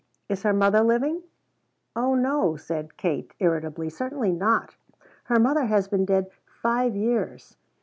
"Is her mother living?" "Oh no," said Katie irritably, "certainly not. Her mother has been dead five years."